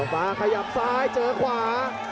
มาขยับซ้ายเจอขวา